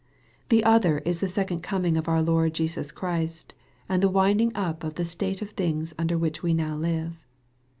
The other is the second coming of our Lord Jesus Christ, and the winding up of the state of things under which we now live.